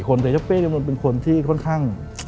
๔คนแต่พี่ก็เป็นคนที่ค่อนข้าง